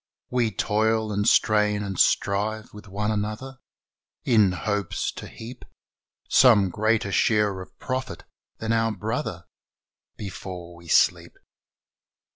We toil and strain and strive with one another In hopes to heap Some greater share of profit than our brother Before we sleep.